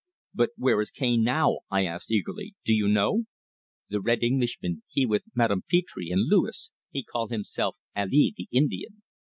"But where is Cane now?" I asked eagerly. "Do you know?" "The 'Red' Englishman he with Madame Petre and Luis he call himself Ali, the Indian."